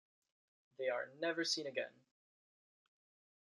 They are never seen again.